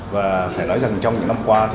và phải nói rằng trong những năm qua